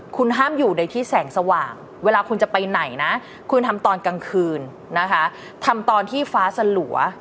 คุณห้ามอยู่ในที่แสงสว่างเวลาคุณจะไปไหนนะคุณทำตอนกลางคืนนะคะทำตอนที่ฟ้าสลัว